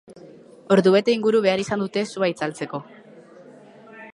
Ordubete inguru behar izan dute sua itzaltzeko.